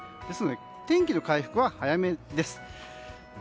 ですので、天気の回復は早めです。